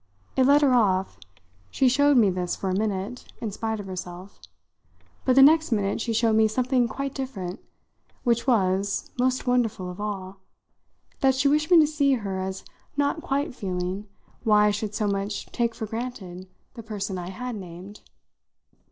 It let her off she showed me this for a minute, in spite of herself; but the next minute she showed me something quite different, which was, most wonderful of all, that she wished me to see her as not quite feeling why I should so much take for granted the person I had named.